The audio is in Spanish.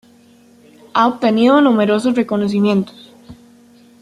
Ha obtenido numerosos reconocimientos.